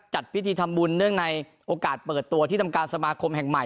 จัดพิธีทำบุญเนื่องในโอกาสเปิดตัวที่ทำการสมาคมแห่งใหม่